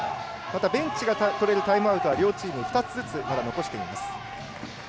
ベンチが取れるタイムアウトは両チーム、まだ２つずつ残しています。